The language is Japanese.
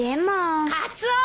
・カツオ！